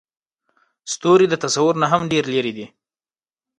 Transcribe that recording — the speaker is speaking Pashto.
ستوري د تصور نه هم ډېر لرې دي.